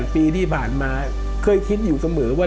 ปีที่ผ่านมาเคยคิดอยู่เสมอว่า